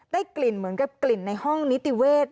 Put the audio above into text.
ได้กลิ่นเหมือนกับกลิ่นในห้องนิติเวศ